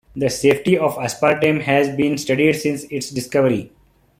The safety of aspartame has been studied since its discovery.